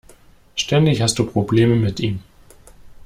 Ständig hast du Probleme mit ihm.